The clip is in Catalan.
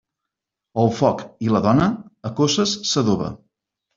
El foc i la dona, a coces s'adoba.